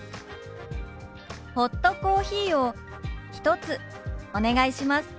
「ホットコーヒーを１つお願いします」。